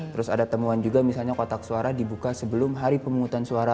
terus ada temuan juga misalnya kotak suara dibuka sebelum hari pemungutan suara